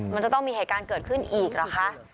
มันจะต้องมีเหตุการณ์เกิดขึ้นอีกเหรอคะ